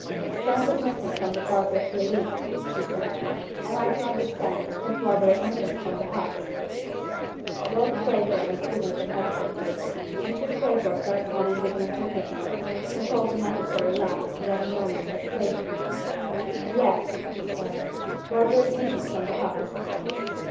"Frank is missing from the party of relief," she said. "Am I to understand that Wardour is missing from the huts?" Both Crayford and Steventon hesitated. Mrs. Crayford cast one indignant look at them, and told the necessary lie, without a moment's hesitation! "Yes!" she said. "Wardour is missing from the huts."